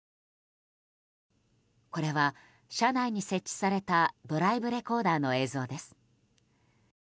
これは車内に設置されたドライブレコーダーの映像です。